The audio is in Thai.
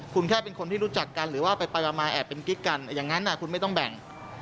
คุณแค่เป็นคนที่รู้จักกันหรือว่าไปมาแอบเป็นกิ๊กกันอย่างนั้นคุณไม่ต้องแบ่ง